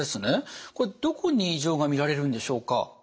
これどこに異常が見られるんでしょうか。